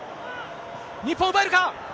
日本、奪えるか。